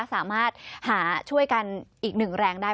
สามารถหาช่วยกันอีกหนึ่งแรงได้